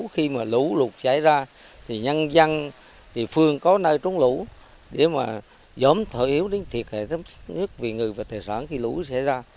khi mà lũ lụt xảy ra thì nhân dân địa phương có nơi trống lũ để mà giống thở yếu đến thiệt hệ thống nhất vì người và thời sản khi lũ xảy ra